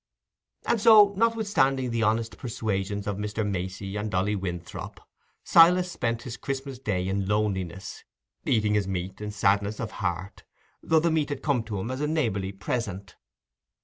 And so, notwithstanding the honest persuasions of Mr. Macey and Dolly Winthrop, Silas spent his Christmas day in loneliness, eating his meat in sadness of heart, though the meat had come to him as a neighbourly present.